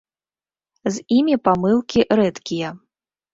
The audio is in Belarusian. З імі памылкі рэдкія.